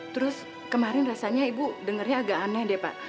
terus kemarin rasanya ibu dengarnya agak aneh deh pak